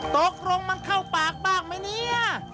ตกลงมันเข้าปากบ้างไหมเนี่ย